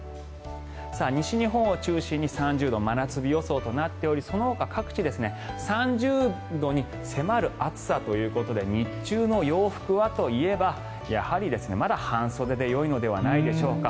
西日本を中心に３０度真夏日予想となっておりそのほか、各地３０度に迫る暑さということで日中の洋服はと言えばやはりまだ半袖でよいのではないでしょうか。